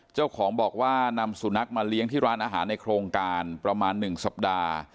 เจ้าของบอกว่านำสุนัขมาเลี้ยงที่ร้านอาหารในโครงการประมาณ๑สัปดาห์